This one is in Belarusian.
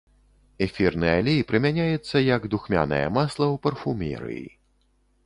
Эфірны алей прымяняецца як духмянае масла ў парфумерыі.